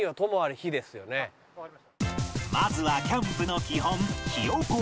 まずはキャンプの基本火おこし